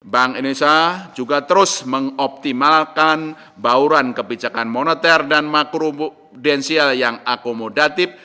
bank indonesia juga terus mengoptimalkan bauran kebijakan moneter dan makrodensial yang akomodatif